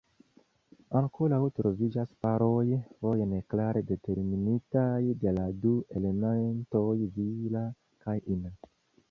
Ankoraŭ troviĝas paroj, foje ne klare determinitaj de la du elementoj vira kaj ina.